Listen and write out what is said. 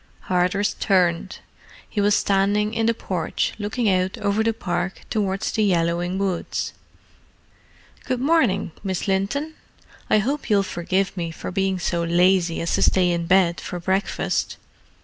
Hardress turned. He was standing in the porch, looking out over the park towards the yellowing woods. "Good morning, Miss Linton. I hope you'll forgive me for being so lazy as to stay in bed for breakfast.